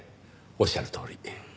おっしゃるとおり。